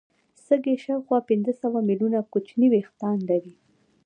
سږي شاوخوا پنځه سوه ملیونه کوچني وېښتان لري.